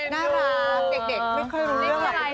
อ๋อน่ารักเก็กไม่เคยรู้เรื่องแบบนี้